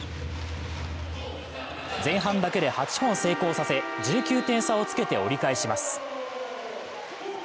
前半だけで８本成功させ１９点差をつけて折り返します。